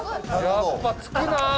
やっぱつくなあ。